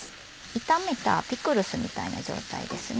炒めたピクルスみたいな状態ですね。